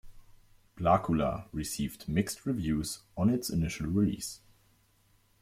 "Blacula" received mixed reviews on its initial release.